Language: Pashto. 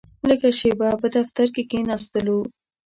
لږه شېبه په دفتر کې کښېناستلو.